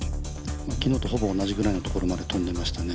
昨日とほぼ同じぐらいのところまで飛んでましたね。